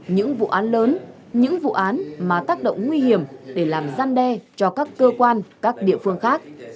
những vụ án lớn những vụ án mà tác động nguy hiểm để làm gian đe cho các cơ quan các địa phương khác